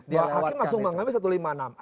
hakim langsung mengambil satu ratus lima puluh enam a